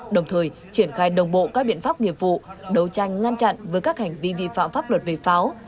đồng thời triển khai đồng bộ các biện pháp nghiệp vụ đấu tranh ngăn chặn với các hành vi vi phạm pháp luật về pháo